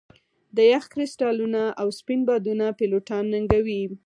د یخ کرسټالونه او سپین بادونه پیلوټان ننګوي